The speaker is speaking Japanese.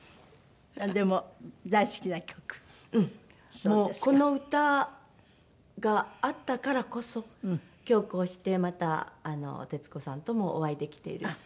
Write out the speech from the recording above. もうこの歌があったからこそ今日こうしてまた徹子さんともお会いできているし。